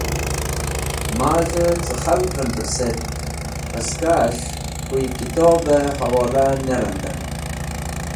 Maz̃hẽ cẽ khalgvẽn pẽretk haskas̃h koyẽ kitobẽ hẽwola ne randẽm